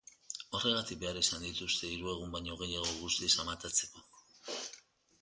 Horregatik behar izan dituzte hiru egun baino gehiago guztiz amatatzeko.